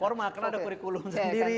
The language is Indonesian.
formal karena ada kurikulum sendiri